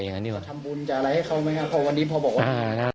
จะอะไรให้เขาไหมครับเพราะวันนี้พอบอกว่า